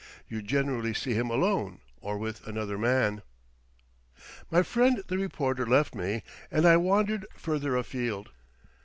You generally see him alone or with another man." My friend the reporter left me, and I wandered further afield.